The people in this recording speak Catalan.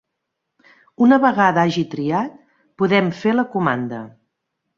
Una vegada hagi triat podem fer la comanda.